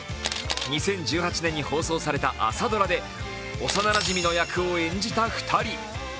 ２０１８年に放送された朝ドラで幼なじみの役を演じた２人。